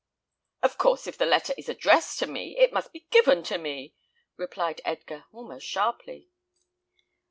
"Of course, if the letter is addressed to me, it must be given to me," replied Edgar, almost sharply.